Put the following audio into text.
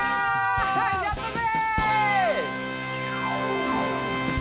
やったぜ！